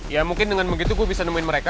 ya mungkin dengan begitu gue bisa nemuin mereka